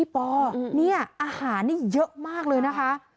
พี่ปอร์อาหารเยอะมากเลยนะคะ